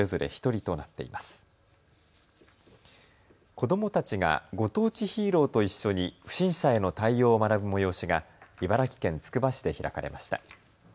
子どもたちがご当地ヒーローと一緒に不審者への対応を学ぶ催しが茨城県つくば市で開かれました。